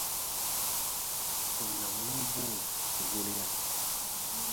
O laŋanǝ o boo ! Zulǝyaŋ!